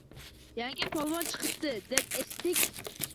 – Yangi polvon chiqibdi deb eshitdik